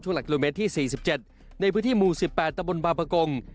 หลักกิโลเมตรที่๔๗ในพื้นที่หมู่๑๘ตะบนบาปกง